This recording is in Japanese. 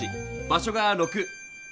場所が６。